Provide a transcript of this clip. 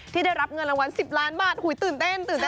ที่ได้รับเงินรางวัล๑๐ล้านบาทตื่นเต้น